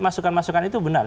masukan masukan itu benar